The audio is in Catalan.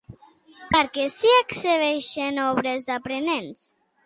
Per què s'hi exhibeixen obres d'aprenents?